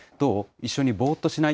一緒にぼーっとしない？